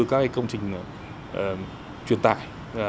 các công trình truyền tài